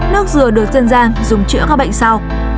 nước dừa được dân gian dùng chữa các bệnh sau